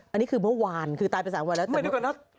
อันนี้คือเมื่อวานคือตายไป๓วันแล้ว